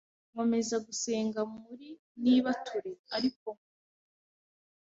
nkomeza gusenga muri nibature ariko nkumva